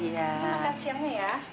selamat siang ya